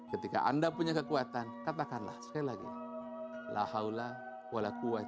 ketika anda punya kekuatan katakanlah sekali lagi